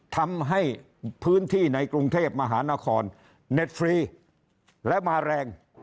ทำให้พื้นที่ในกรุงเทพมหานครเน็ตฟรีและมาแรง